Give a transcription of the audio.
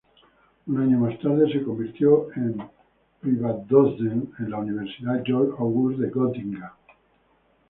Un año más tarde, se convirtió en privatdozent en la Universidad Georg-August de Gotinga.